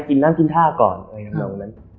กินน้ำกินท่าก่อน